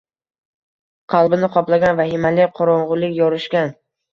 Qalbini qoplagan vahimali qorong‘ulik yorishgan